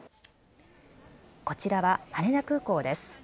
こちらは羽田空港です。